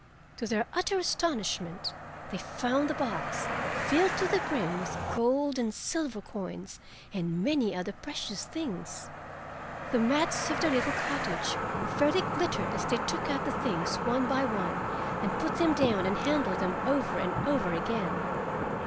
To their utter astonishment they found the box filled to the brim with gold and silver coins and many other precious things. The mats of their little cottage fairly glittered as they took out the things one by one and put them down and handled them over and over again.